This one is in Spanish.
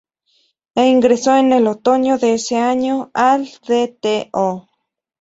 E ingresó, en el otoño de ese año, al Dto.